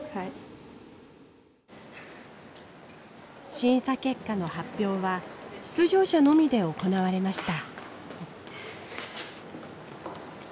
審査結果の発表は出場者のみで行われました。